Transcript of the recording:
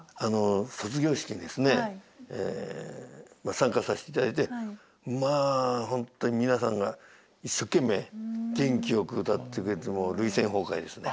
参加させていただいてまあ本当に皆さんが一生懸命元気よく歌ってくれてもう涙腺崩壊ですね。